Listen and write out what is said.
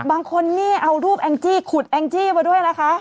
บางคนนี่เอารูปแองจี้ขุดแองจี้มาด้วยนะคะ